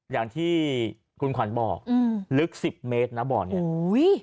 อย่างที่คุณขวัญบอกลึก๑๐เมตรนะบ่อนี่